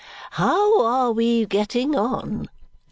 "How are we getting on?"